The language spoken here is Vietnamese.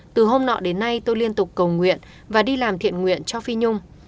từ hôm nọ đến nay tôi liên tục cầu nguyện và đi làm thiện nguyện cho phi nhung